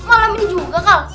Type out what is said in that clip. malam ini juga kak